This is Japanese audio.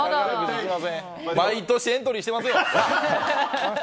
毎年エントリーしてますよ！